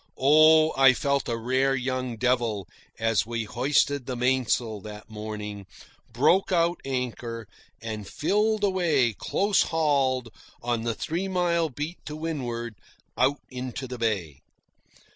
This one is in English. Oh, I felt a rare young devil, as we hoisted the big mainsail that morning, broke out anchor, and filled away close hauled on the three mile beat to windward out into the bay.